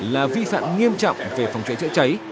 là vi phạm nghiêm trọng về phòng cháy chữa cháy